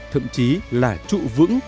thậm chí là trụ vững